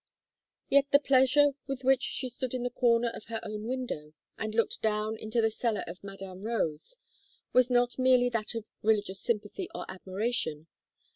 Yet, the pleasure with which she stood in the corner of her own window, and looked down into the cellar of Madame Rose, was not merely that of religious sympathy or admiration.